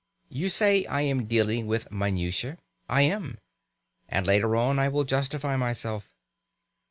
You say I am dealing with minutiae. I am. And later on I will justify myself.